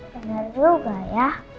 bener juga ya